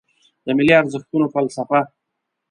د ملي ارزښتونو فلسفه